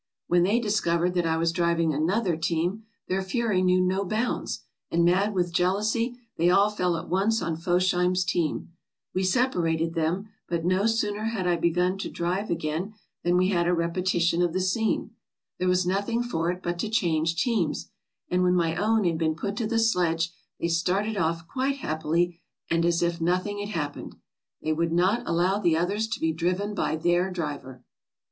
When they discovered that I was driving another team, their fury knew no bounds, and, mad with jealousy, they all fell at once on Fosheim's team. We separated them, but no sooner had I begun to drive again than we had a repetition of 506 TRAVELERS AND EXPLORERS the scene. There was nothing for it but to change teams, and when my own had been put to the sledge, they started off quite happily, and as if nothing had happened. They would not allow the others to be driven by their driver!"